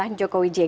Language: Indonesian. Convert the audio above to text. kalau kita lihat